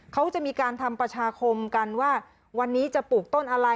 เขาจะมีการทำประชาคมกันว่าวันนี้จะปลูกต้นอะไร